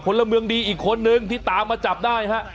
น้ำนี้เขาเอาไว้